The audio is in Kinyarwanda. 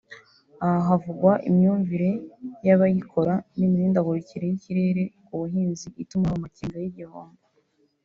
Aha havugwa imyumvire y’abayikora n’imihindagurikire y’ikirere ku buhinzi ituma haba amakenga y’igihombo